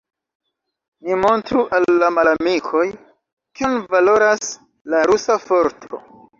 Ni montru al la malamikoj, kion valoras la rusa forto!